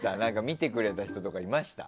見てくれた人とかいました？